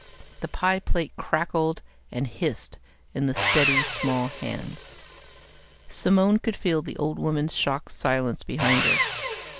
The pie plate crackled and hissed in the steady, small hands. Simone could feel the old woman's shocked silence behind her.